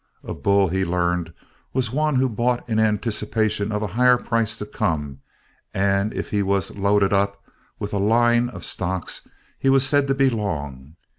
A "bull," he learned, was one who bought in anticipation of a higher price to come; and if he was "loaded up" with a "line" of stocks he was said to be "long."